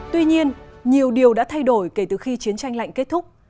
tuy nhiên nhiều điều đã thay đổi kể từ khi chiến tranh lạnh kết thúc